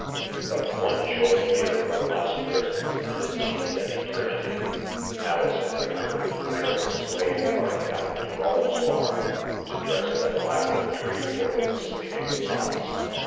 " But one short year from last Christmas, and it seemed an eternity ! Alison remembered the merry sleighing party out to Rawle's farm, to dress that elaborate tree for his sleeping tots.